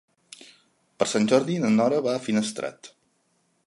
Per Sant Jordi na Nora va a Finestrat.